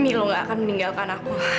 milo gak akan meninggalkan aku